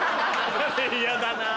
嫌だなぁ。